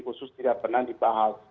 kusus tidak pernah dibahas